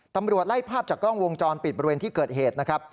ตำรวจไล่ภาพจากกล้องวงจรปิดบริเวณที่เกิดเหตุนะครับ